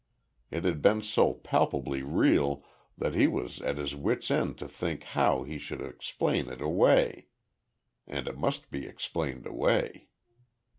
It had been so palpably real that he was at his wits' end to think how he should explain it away; and it must be explained away.